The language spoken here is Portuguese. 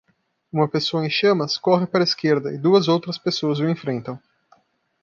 Uma pessoa em chamas corre para a esquerda e duas outras pessoas o enfrentam.